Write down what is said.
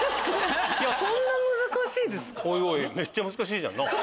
そんな難しいですか？